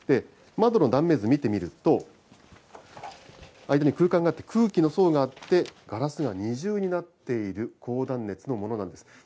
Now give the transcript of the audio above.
窓の断面図見てみると、間に空間があって、空気の層があって、ガラスが二重になっている高断熱のものなんです。